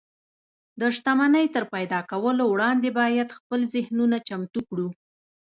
د شتمنۍ تر پيدا کولو وړاندې بايد خپل ذهنونه چمتو کړو.